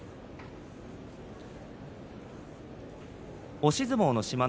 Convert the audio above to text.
押し相撲の志摩ノ